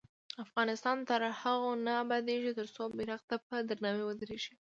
افغانستان تر هغو نه ابادیږي، ترڅو بیرغ ته په درناوي ودریږو.